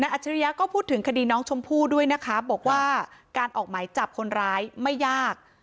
ฉริยะก็พูดถึงคดีน้องชมพู่ด้วยนะคะบอกว่าการออกหมายจับคนร้ายไม่ยาก